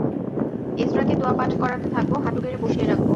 এজরাকে দোয়া পাঠ করাতে থাকবো, হাঁটু গেড়ে বসিয়ে রাখবো।